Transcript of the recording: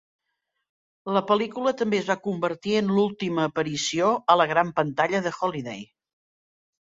La pel·lícula també es va convertir en l'última aparició a la gran pantalla de Holliday.